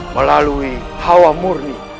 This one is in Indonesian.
melalui hawa murni